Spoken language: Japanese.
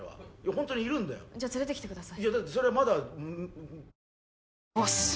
ホントにいるんだよじゃ連れてきてください